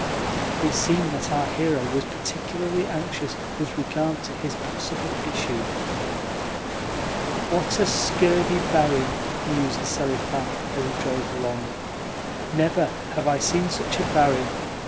(it seemed that our hero was particularly anxious with regard to his possible issue). "What a scurvy barin!" mused Selifan as he drove along. "Never have I seen such a barin.